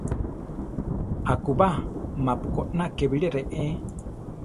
Akúba: mapu koná ké biré reé.